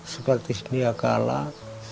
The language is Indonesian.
seperti dia kalah